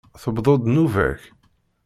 Tewweḍ-d nnuba-k?